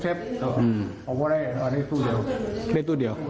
อ้าวทุกกระจกเลี่ยวแปลก